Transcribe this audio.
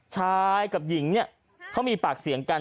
ชายกับหญิงเขามีปากเสี่ยงกัน